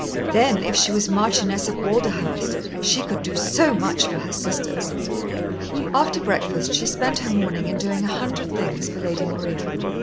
Then, if she was Marchioness of Walderhurst, she could do so much for her sisters." After breakfast she spent her morning in doing a hundred things for Lady Maria.